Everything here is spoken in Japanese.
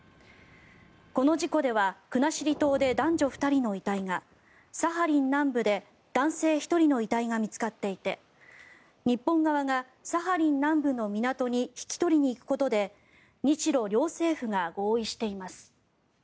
この事故では国後島で男女２人の遺体がサハリン南部で男性１人の遺体が見つかっていて日本側がサハリン南部の港に引き取りに行くことで日ロ両政府が合意しています。